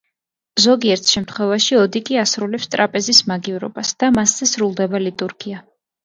ზოგიერთ შემთხვევაში ოდიკი ასრულებს ტრაპეზის მაგივრობას და მასზე სრულდება ლიტურგია.